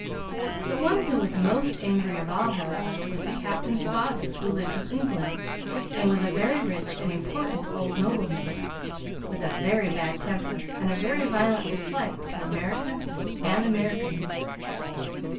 The one who was most angry of all, however, was the Captain's father, who lived in England, and was a very rich and important old nobleman, with a very bad temper and a very violent dislike to America and Americans.